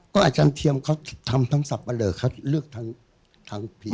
ก็อาจารย์เทียมเขาทำทั้งศักดิ์เบลอเขาเลือกทั้งผีด้วย